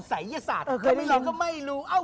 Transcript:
สายยศาสตร์ทำไมเราก็ไม่รู้